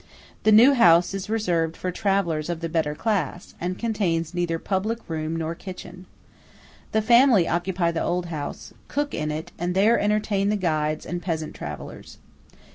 The new house is reserved for travellers of the better class, and contains neither public room nor kitchen. The family occupy the old house, cook in it, and there entertain the guides and peasant travellers.